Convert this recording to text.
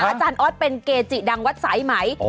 อาจารย์ออสเป็นเกจิดังวัดสายไหม